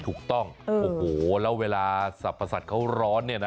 ถูกต้องโอ้โหแล้วเวลาสรรพสัตว์เขาร้อนเนี่ยนะ